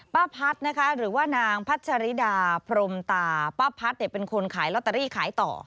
ป้าพัดนะคะหรือว่านางพัชริดาพรมตาป้าพัดเป็นคนขายลอตเตอรี่ขายต่อ